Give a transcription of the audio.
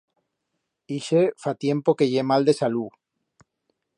Ixe fa tiempo que ye mal de salut.